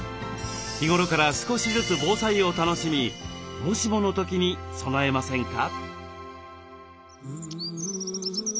日頃から少しずつ防災を楽しみもしもの時に備えませんか？